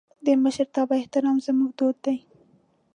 د مشرتابه احترام زموږ دود دی.